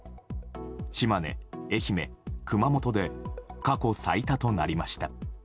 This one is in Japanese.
島根、愛媛、熊本で過去最多となりました。